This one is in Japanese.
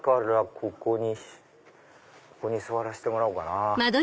ここに座らせてもらおうかな。